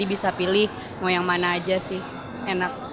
bisa pilih mau yang mana aja sih enak